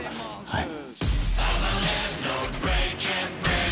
はい